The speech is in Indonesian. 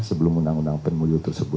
sebelum undang undang pemilu tersebut